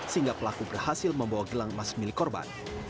sehingga pelaku berhasil membawa gelang emas milik korban